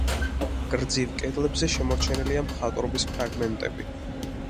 გრძივ კედლებზე შემორჩენილია მხატვრობის ფრაგმენტები.